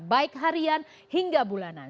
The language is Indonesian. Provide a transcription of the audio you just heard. baik harian hingga bulanan